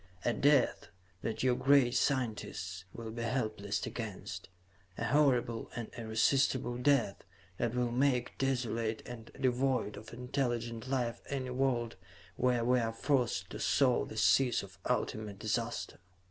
A death that your great scientists will be helpless against; a horrible and irresistable death that will make desolate and devoid of intelligent life any world where we are forced to sow the seeds of ultimate disaster.